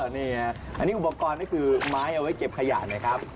เท่ากันครับอ๋ออออนี่คืออุปกรณ์หมายเอาไว้เก็บขยะนะครับ